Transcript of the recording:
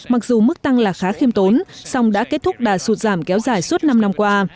mặc dù mức tăng là khá khiêm tốn song đã kết thúc đà sụt giảm kéo dài suốt năm năm qua